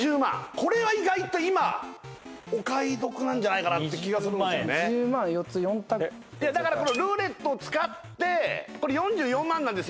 これは意外と今お買い得なんじゃないかなって気がする２０万４つ４択ルーレットを使ってこれ４４万なんです